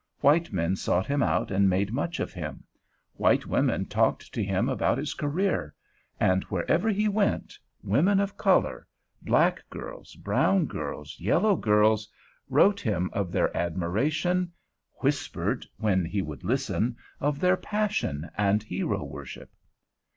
White men sought him out and made much of him; white women talked to him about his career; and wherever he went, women of color—black girls, brown girls, yellow girls—wrote him of their admiration, whispered, when he would listen, of their passion and hero worship.